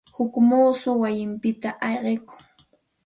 Huk muusum wayinpita ayqikun.